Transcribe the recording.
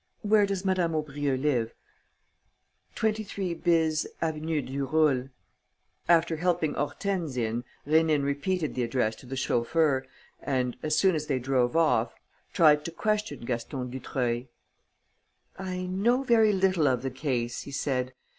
Where does Madame Aubrieux live?" "23 bis, Avenue du Roule." After helping Hortense in, Rénine repeated the address to the chauffeur and, as soon as they drove off, tried to question Gaston Dutreuil: "I know very little of the case," he said.